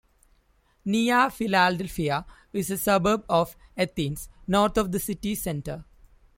Nea Filadelfeia is a suburb of Athens, north of the city centre.